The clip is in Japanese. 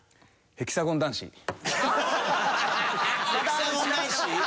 ヘキサゴン男子？